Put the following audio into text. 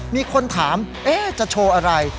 มีคนถามจะโชว์อะไร